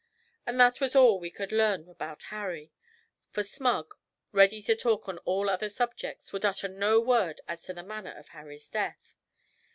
And that was all we could learn about 'Harry,' for Smug, ready to talk on all other subjects, would utter no word as to the manner of Harry's death.